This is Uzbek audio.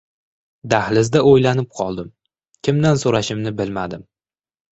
Dahlizda o‘ylanib qoldim. Kimdan so‘rashimni bilmadim.